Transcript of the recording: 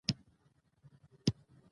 لمریز ځواک د افغانانو د ژوند طرز اغېزمنوي.